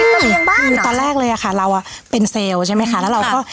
เป็นระเบียงบ้านค่ะตอนแรกเลยฮะเราอะเป็นใช่ไหมค่ะแล้วเราก็